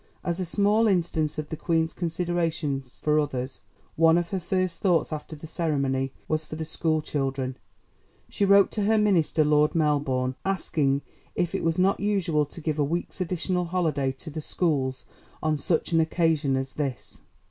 '" As a small instance of the Queen's consideration for others, one of her first thoughts after the ceremony was for the school children. She wrote to her minister, Lord Melbourne, asking if it was not usual to give a week's additional holiday to the schools on such an occasion as this.